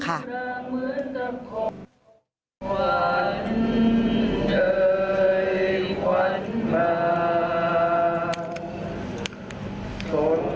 ความคาญความหากวันใจ